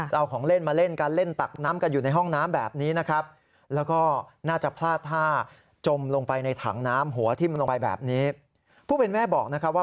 เราของเล่นมาเล่นกันเล่นตักน้ำกันอยู่ในห้องน้ำแบบนี้นะครับ